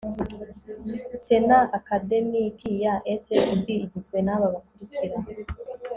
Sena Akademiki ya SFB igizwe n aba bakurikira